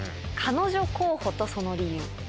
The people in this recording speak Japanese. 「彼女候補とその理由」。